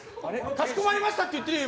かしこまりましたって言ってるよ。